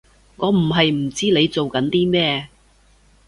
我唔係唔知你做緊啲咩